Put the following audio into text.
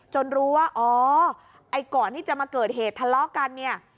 รู้ว่าอ๋อไอ้ก่อนที่จะมาเกิดเหตุทะเลาะกันเนี่ย